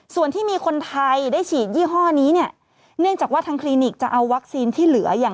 ส่วนที่มีคนไทยได้ฉีดยี่ห้อนี้